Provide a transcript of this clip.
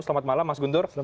selamat malam mas guntur